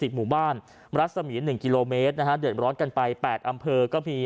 หมู่บ้านรัศมี๑กิโลเมตรนะฮะเดือดร้อนกันไป๘อำเภอก็มี